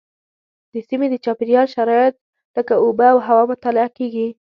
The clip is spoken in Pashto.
د سیمې د چاپیریال شرایط لکه اوبه او هوا مطالعه کېږي.